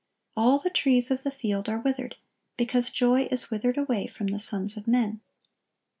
"All the trees of the field are withered: because joy is withered away from the sons of men."